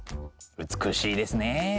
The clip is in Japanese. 美しいですねえ。